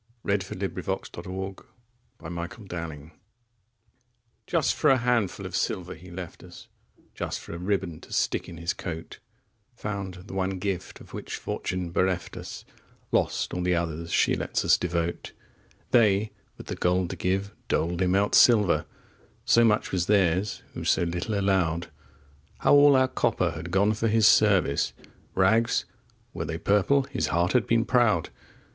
Boot, saddle, to horse, and away!" THE LOST LEADER Just for a handful of silver he left us, Just for a riband to stick in his coat Found the one gift of which fortune bereft us, Lost all the others she lets us devote; They, with the gold to give, doled him out silver, 5 So much was theirs who so little allowed; How all our copper had gone for his service! Rags were they purple, his heart had been proud!